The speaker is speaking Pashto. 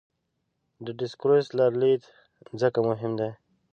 د ډسکورس لرلید ځکه مهم دی.